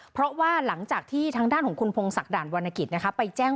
เพราะว่าหลังจากที่ทางด้านของคุณพงศักด่านวรรณกิจไปแจ้ง